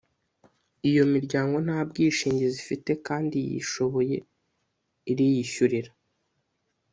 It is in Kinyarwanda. Iyo imiryango nta bwishingizi ifite kandi yishoboye iriyishyurira